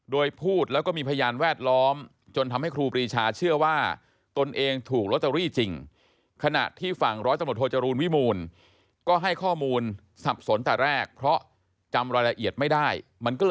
โดยพูดแล้วก็มีพยานแวดล้อมจนทำให้ครูปรีชาเชื่อว่าตนเองถูกล็อตเตอรี่จริง